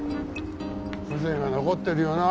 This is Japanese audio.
風情が残ってるよな